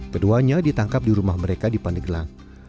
keduanya ditangkap di rumah mereka di pandeglang